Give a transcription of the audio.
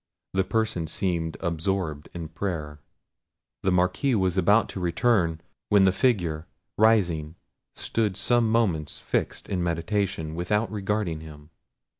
The person seemed absorbed in prayer. The Marquis was about to return, when the figure, rising, stood some moments fixed in meditation, without regarding him.